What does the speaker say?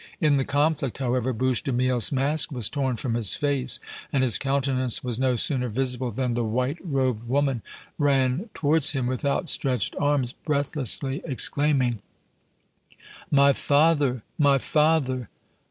In the conflict, however, Bouche de Miel's mask was torn from his face, and his countenance was no sooner visible than the white robed woman ran towards him with outstretched arms, breathlessly exclaiming: "My father! my father!"